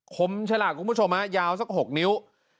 คมฉลากคุณผู้ชมนะยาวสัก๖นิ้ว